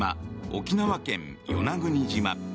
沖縄県・与那国島。